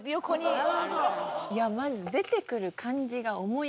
いやまず。